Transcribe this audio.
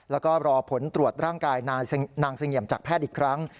แล้วก็รอผลตรวจร่างกายนางเสงี่ยมจากแพทย์อีกครั้ง